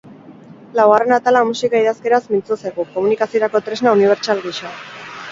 Laugarren atala musika-idazkeraz mintzo zaigu, komunikaziorako tresna unibertsal gisa.